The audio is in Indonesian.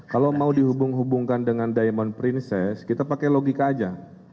kalau mau dihubung hubungkan dengan diamond princess kita pakai logika aja